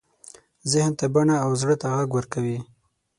ذهن ته بڼه او زړه ته غږ ورکوي.